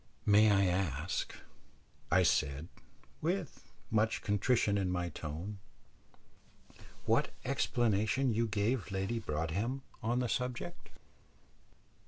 "May I ask," I said, with much contrition in my tone, "what explanation you gave Lady Broadhem on the subject?"